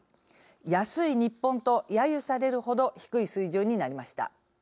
安い日本とやゆされるほど低い水準になりました。